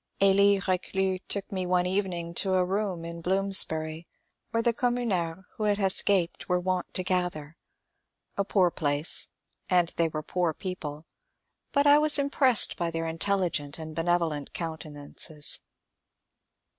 Elie R^clus took me one evening to a room in Blooms bury where the communards who had escaped were wont to gather. A poor place, and they were poor people ; but I was impressed by their intelligent and benevolent countenances.